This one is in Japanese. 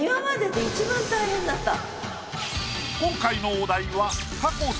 今回のお題は過去。